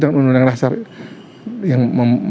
dengan undang undang yang